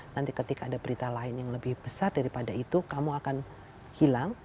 nanti ketika ada berita lain yang lebih besar daripada itu kamu akan hilang